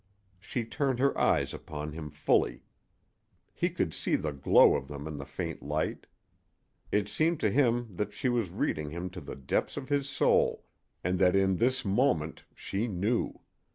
She turned her eyes upon him fully. He could see the glow of them in the faint light. It seemed to him that she was reading him to the depths of his soul, and that in this moment she knew!